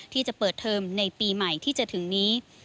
ที่จะเปิดเทอมในปีใหม่ที่จะถึงนี้